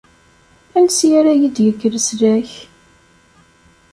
Ansi ara yi-d-yekk leslak?